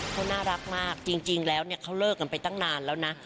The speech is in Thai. เขาน่ารักมากจริงแล้วเนี่ยเขาเลิกกันไปตั้งนานแล้วนะ